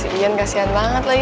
aduh si yan kasihan banget lagi